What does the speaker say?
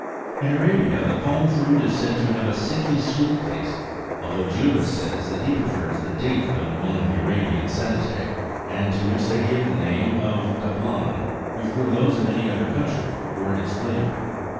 In Arabia, the palm fruit is said to have a sickly sweet taste, although Juba says that he prefers the date found among the Arabian Sceriitse,20 and to which they give the name of "dablan," before those of any other country for flavour.